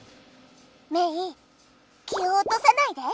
メイ気をおとさないで。